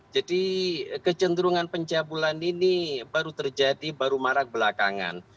jadi kecenderungan penjabulan ini baru terjadi baru marak belakangan